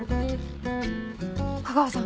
架川さん